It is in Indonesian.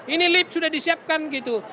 ini lift sudah disiapkan gitu